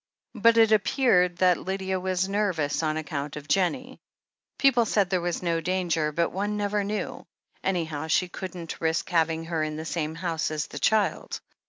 But it appeared that Lydia was nervous on account of Jennie. People said there was no danger, but one never knew; anyhow, she couldn't risk having her in the same house as the child.